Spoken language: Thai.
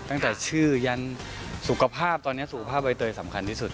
ตั้งแต่ชื่อยันสุขภาพตอนนี้สุขภาพใบเตยสำคัญที่สุด